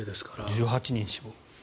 １８人死亡。